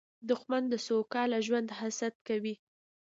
دښمن د سوکاله ژوند حسد کوي